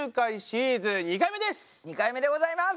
２回目でございます！